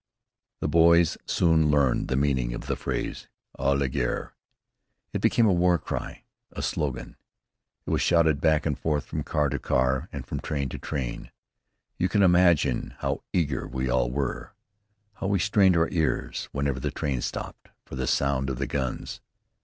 The boys soon learned the meaning of the phrase, "à la guerre." It became a war cry, a slogan. It was shouted back and forth from car to car and from train to train. You can imagine how eager we all were; how we strained our ears, whenever the train stopped, for the sound of the guns.